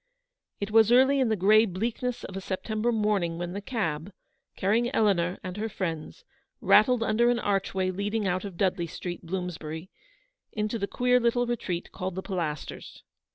It was early in the grey bleakness of a Sep tember morning when the cab, carrying Eleanor and her friends, rattled under an archway leading out of Dudley Street, Bloomsbury, into the queer little retreat called the Pilasters.